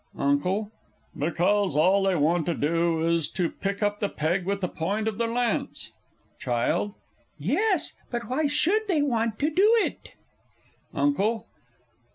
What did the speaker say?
UNCLE. Because all they want to do is to pick up the peg with the point of their lance. CHILD. Yes, but why should they want to do it? UNCLE.